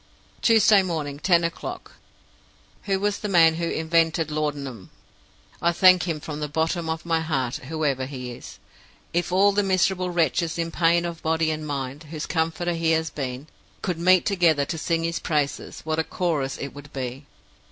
"Tuesday morning, ten o'clock. Who was the man who invented laudanum? I thank him from the bottom of my heart whoever he was. If all the miserable wretches in pain of body and mind, whose comforter he has been, could meet together to sing his praises, what a chorus it would be!